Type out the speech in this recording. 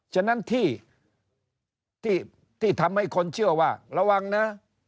ฉะนั้นที่ทำให้คนเชื่อว่าระวังนะ